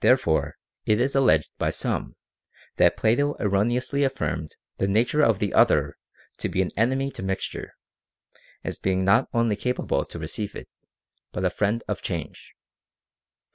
Therefore it is alleged by some, that Plato erroneously affirmed the nature of the Other to be an enemy to mixture, as being not only capable to re ceive it, but a friend of change.